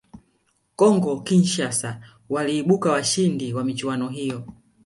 congo Kinshasa waliibuka washindi wa michuano hiyo